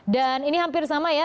dan ini hampir sama ya